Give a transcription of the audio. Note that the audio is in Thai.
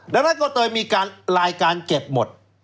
ดังนั้นก็เลยมีการรายการเก็บหมด